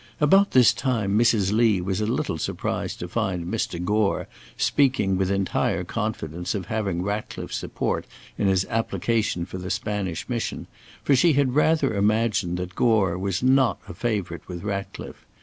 About this time Mrs. Lee was a little surprised to find Mr. Gore speaking with entire confidence of having Ratcliffe's support in his application for the Spanish mission, for she had rather imagined that Gore was not a favourite with Ratcliffe.